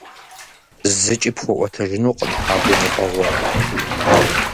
ЗыкӀи пхуэӀуэтэжынукъым а гуныкъуэгъуэр.